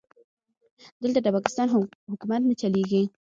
دلته د پاکستان حکومت نه چلېږي.